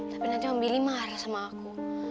tapi nanti om billy marah sama aku